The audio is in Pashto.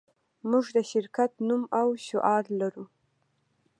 موږ د شرکت نوم او شعار لرو